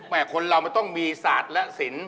คนเรามันต้องมีศาสตร์และศิลป